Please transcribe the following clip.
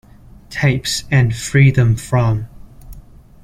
Tapes and Freedom From.